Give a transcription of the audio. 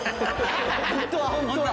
ホントはホントは！